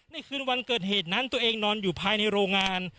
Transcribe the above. ในวันเกิดเหตุอยู่ตัวเองภายในโรงงาน